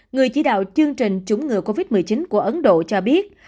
người chỉ đạo chương trình chống ngừa covid một mươi chín của ấn độ cho biết